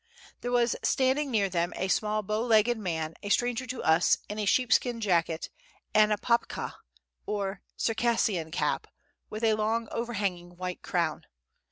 There was standing near them a small bow legged man, a stranger to us, in a sheepskin jacket, and a papakha, or Circassian cap, with a long overhanging white crown.